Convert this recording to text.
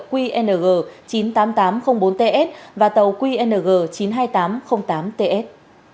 qng chín trăm tám mươi tám bốn ts và tàu qng chín trăm hai mươi tám tám ts